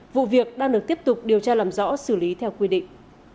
vụ việc đang được tiếp tục điều tra làm rõ xử lý theo quy định